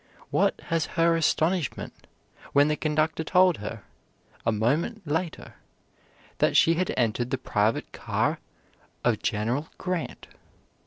What has her astonishment when the conductor told her, a moment later, that she had entered the private car of General Grant.